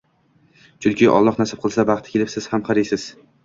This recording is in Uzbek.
Chunki, Alloh nasib qilsa, vaqti kelib siz ham qariysiz.